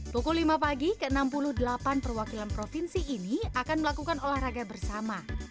pukul lima pagi ke enam puluh delapan perwakilan provinsi ini akan melakukan olahraga bersama